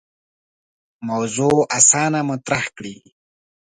موضوع اسانه مطرح کړي.